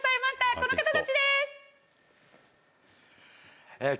この方たちです！